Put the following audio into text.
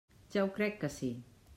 Ja ho crec que sí!